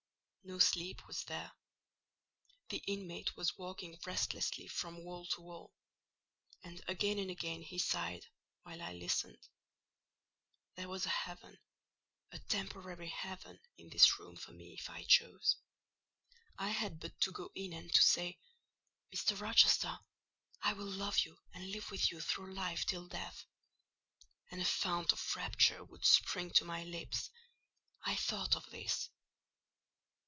No sleep was there: the inmate was walking restlessly from wall to wall; and again and again he sighed while I listened. There was a heaven—a temporary heaven—in this room for me, if I chose: I had but to go in and to say— "Mr. Rochester, I will love you and live with you through life till death," and a fount of rapture would spring to my lips. I thought of this.